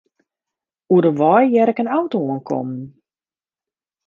Oer de wei hear ik in auto oankommen.